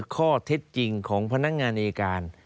ข้อเท็จจริงของพนักงานอายการ